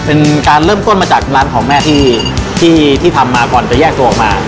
เป็นการเริ่มต้นมาจากร้านของแม่ที่ทำมาก่อนจะแยกตัวออกมา